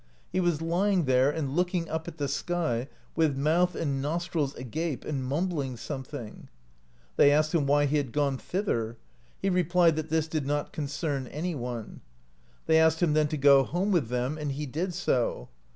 He was lying there and looking up at the sky, with mouth and nos trils agape, and mumbling something. They asked him why he had gone thither ; he replied that this did not con cern anyone. They asked him then to go home with VOYAGE OF KARLSEFNI SOUTH OF VINELAND them, and he did so.